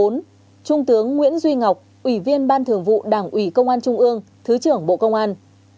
trung tướng nguyễn duy ngọc ủy viên ban thường vụ đảng ủy công an trung ương thứ trưởng bộ công an